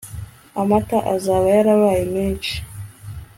amata azaba yarabaye menshi